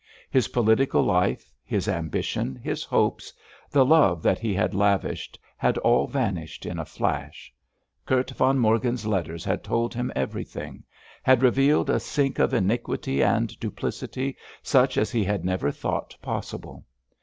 His political life, his ambition, his hopes, the love that he had lavished, had all vanished in a flash. Kurt von Morgen's letters had told him everything, had revealed a sink of iniquity and duplicity such as he had never thought possible.